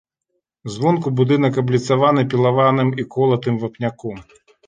Звонку будынак абліцаваны пілаваным і колатым вапняком.